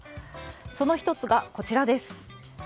その１つがこちら。